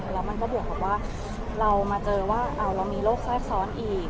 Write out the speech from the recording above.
แล้วมันก็บวกกับว่าเรามาเจอว่าเรามีโรคแทรกซ้อนอีก